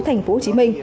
thành phố hồ chí minh